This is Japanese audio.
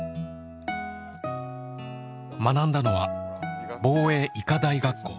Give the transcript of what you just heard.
学んだのは防衛医科大学校。